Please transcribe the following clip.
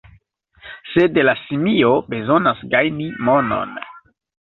Sed la simio bezonas gajni monon.